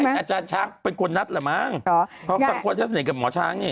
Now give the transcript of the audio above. ใช่ไหมอาจารย์ช้างเป็นคนนัดแหละมั้งเพราะสังความแท้เสน่ห์กับหมอช้างนี่